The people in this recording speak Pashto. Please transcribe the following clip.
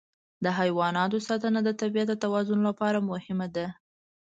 د حیواناتو ساتنه د طبیعت د توازن لپاره مهمه ده.